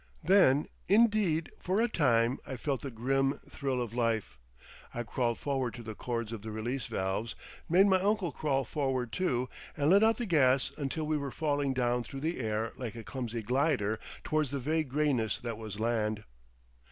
Then, indeed, for a time I felt the grim thrill of life. I crawled forward to the cords of the release valves, made my uncle crawl forward too, and let out the gas until we were falling down through the air like a clumsy glider towards the vague greyness that was land.